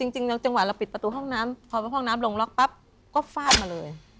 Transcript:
จริงจังหวะเราปิดประตูห้องน้ำพอห้องน้ำลงล็อกปั๊บก็ฟาดมาเลย